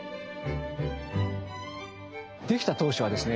出来た当初はですね